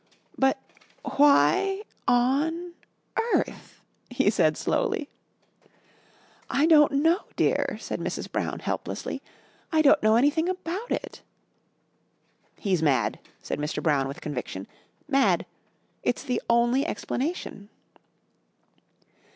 "But why on earth?" he said slowly. "I don't know, dear," said Mrs. Brown, helplessly. "I don't know anything about it." "He's mad," said Mr. Brown with conviction. "Mad. It's the only explanation."